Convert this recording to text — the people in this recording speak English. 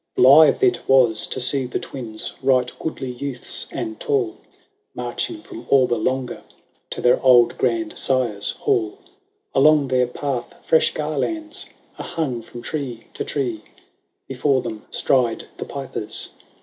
VI. Blithe it was to see the twins. Right goodly youths and tall. Marching from Alba Longa To their old grandsire's hall. Along their path fresh garlands Are hung from tree to tree : Before them stride the pipers.